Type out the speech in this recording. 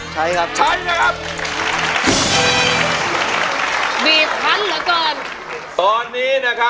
ใช่